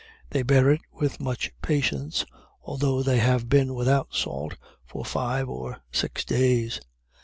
They bear it with much patience, although they have been without salt for five or six days."